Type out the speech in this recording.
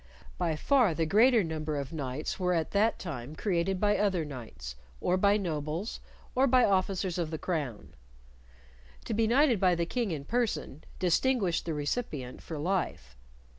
By far the greater number of knights were at that time created by other knights, or by nobles, or by officers of the crown. To be knighted by the King in person distinguished the recipient for life.